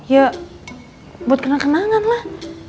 ya buat kena kenangan lah